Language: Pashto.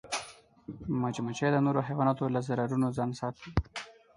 مچمچۍ د نورو حیواناتو له ضررونو ځان ساتي